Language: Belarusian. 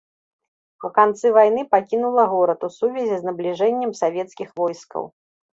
У канцы вайны пакінула горад у сувязі з набліжэннем савецкіх войскаў.